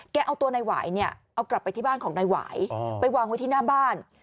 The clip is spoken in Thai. เอาตัวนายหวายเนี่ยเอากลับไปที่บ้านของนายหวายไปวางไว้ที่หน้าบ้าน